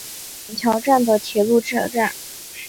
板桥站的铁路车站。